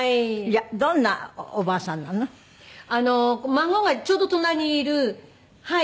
孫がちょうど隣にいるはい。